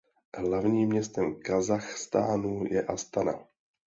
Hlavním městem Kazachstánu je Astana.